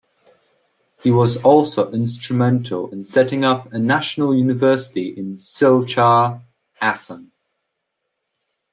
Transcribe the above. He was also instrumental in setting up a national university in Silchar, Assam.